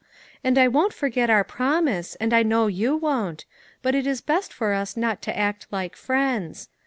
And I won't forget our promise, and I know you won't ; but it is best for us not to act like friends.